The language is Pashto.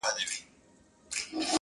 چي ژړل به یې ویلې به یې ساندي؛